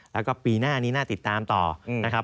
แล้วก็ปีหน้านี้น่าติดตามต่อนะครับ